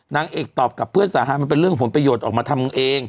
นางเอกตอบกับเพื่อนสาหัสมันเป็นเรื่องผลประโยชน์ออกมาทำเอง